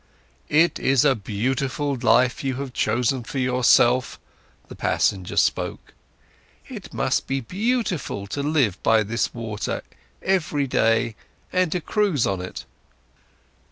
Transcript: "It's a beautiful life you have chosen for yourself," the passenger spoke. "It must be beautiful to live by this water every day and to cruise on it."